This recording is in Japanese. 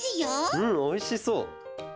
うんおいしそう！